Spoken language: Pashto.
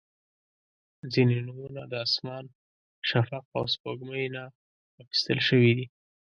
• ځینې نومونه د اسمان، شفق، او سپوږمۍ نه اخیستل شوي دي.